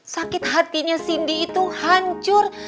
sakit hatinya cindy itu hancur